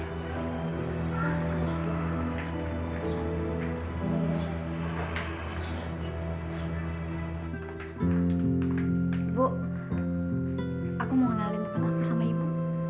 ibu aku mau kenalin aku sama ibu